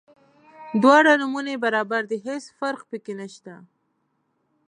دواړه نومونه یې برابر دي هیڅ فرق په کې نشته.